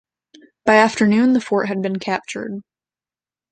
By afternoon, the fort had been captured.